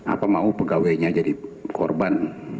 apa mau pegawainya jadi korban